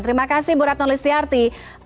terima kasih bu retno listiarti